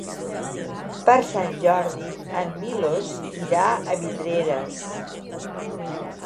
Per Sant Jordi en Milos irà a Vidreres.